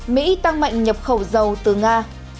mỹ tăng mạnh nhập khẩu dầu từ nga